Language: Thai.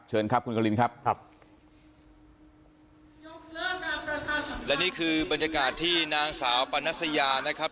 เชิญครับคุณครับแล้วนี่คือบรรยากาศที่นางสาวปรณสยานะครับ